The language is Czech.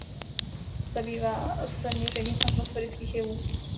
Zabývá se měřením atmosférických jevů.